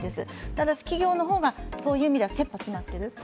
ただし企業の方がそういう意味では、せっぱ詰まっている。